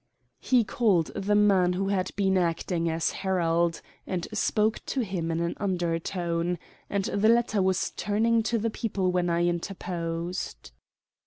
He called the man who had been acting as herald, and spoke to him in an undertone; and the latter was turning to the people when I interposed.